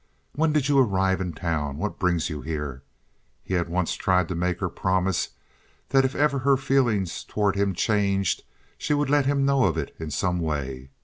"When did you arrive in town? Whatever brings you here?" He had once tried to make her promise that if ever her feeling toward him changed she would let him know of it in some way.